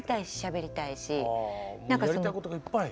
やりたいことがいっぱい。